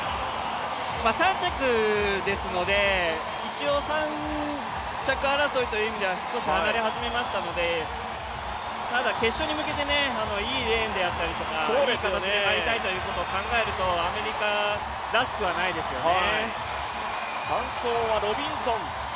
３着ですので、一応３着争いという意味では、ばらけ始めましたのでただ、決勝に向けて、いいレーンであったりとか、いい形で入りたいということを考えるとアメリカらしくはないですよね。